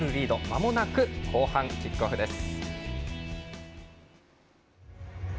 まもなく後半キックオフです。